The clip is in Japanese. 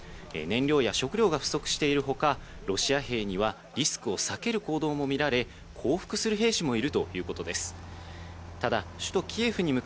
燃料や食料が不足している他、ロシア兵にはリスクを避ける行動も見られ、降伏する兵士もいるということです。